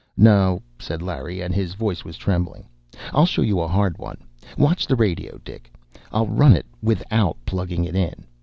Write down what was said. "No," said Larry, and his voice was trembling, "I'll show you a hard one. Watch the radio, Dick. I'll run it without plugging it in!